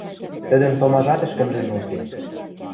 Тӹдӹн томажат ӹшкӹмжӹн уке.